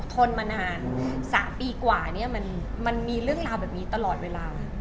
ทนมานาน๓ปีกว่าเนี่ยมันมีเรื่องราวแบบนี้ตลอดเวลา